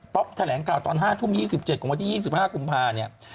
แถลงข่าวตอน๕ทุ่ม๒๗ของวันที่๒๕กุมภาเนี่ย